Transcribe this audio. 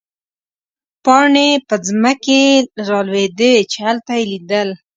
پاڼې به مځکې ته رالوېدې، چې هلته يې لیدل.